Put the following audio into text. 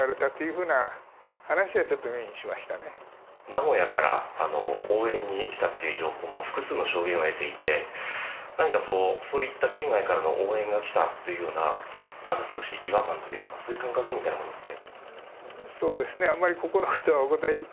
名古屋から応援に来たという情報も複数の証言を得ていて、何かそういった県外からの応援が来たというのは違和感というかそういう感覚みたいなものって？